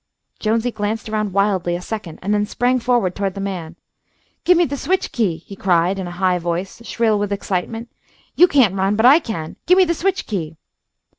Jonesy glanced around wildly a second, and then sprang forward toward the man. "Give me the switch key!" he cried, in a high voice, shrill with excitement. "You can't run, but I can. Give me the switch key!"